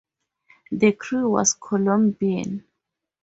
The crew was Colombian.